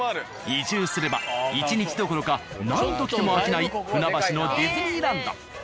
移住すれば１日どころか何度来ても飽きない船橋のディズニーランド。